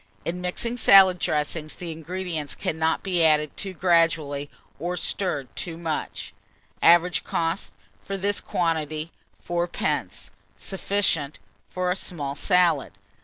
In mixing salad dressings, the ingredients cannot be added too gradually, or stirred too much. Average cost, for this quantity, 3d. Sufficient for a small salad.